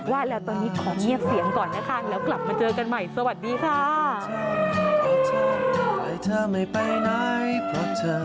ว่าแล้วตอนนี้ขอเงียบเสียงก่อนนะคะแล้วกลับมาเจอกันใหม่สวัสดีค่ะ